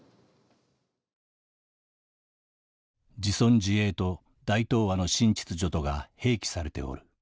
「『自存自衛』と『大東亜の新秩序』とが併記されておる。